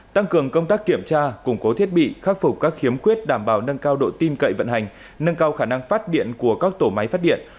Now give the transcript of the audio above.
tăng cường công tác kiểm tra củng cố thiết bị khắc phục các khiếm quyết đảm bảo nâng cao độ tim cậy vận hành nâng cao khả năng phát điện của các tổ máy phát điện